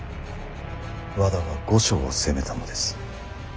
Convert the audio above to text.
和田は御所を攻めたのです。